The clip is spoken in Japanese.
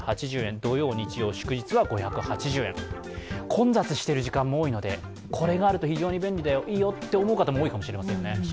混雑している時間も多いのでこれがあると非常に便利だよ、いいよと思う方も多いかもしれませんね。